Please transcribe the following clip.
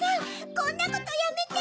こんなことやめて！